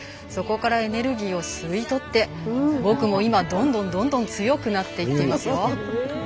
そこからエネルギーを吸い取って僕も今、どんどん強くなっていっていますよ！